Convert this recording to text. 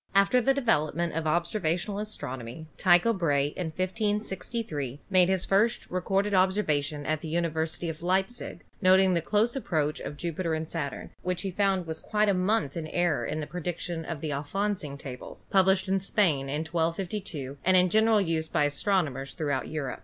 After the development of observational astronomy Tycho Brahe in 1563 made his first recorded observation at the University of Leipzig, noting the close approach of SATURN 203 Jupiter and Saturn, which he found was quite a month in error in the prediction of the Alfonsine Tables, published in Spain in 1252 and in general use by astronomers' throughout Europe.